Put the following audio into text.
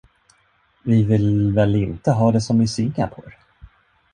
Vi vill väl inte ha det som i Singapore?